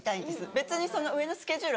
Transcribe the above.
別にその上のスケジュール